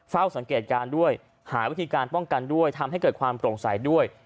เฝ้าสังเกตการณ์ด้วยหาวิธีการป้องกันด้วยทำให้เกิดความโปร่งใสด้วย